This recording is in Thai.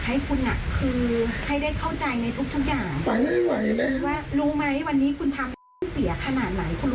ที่คุณให้ข่าวไปเขาไปลงข่าวเสียหายมาก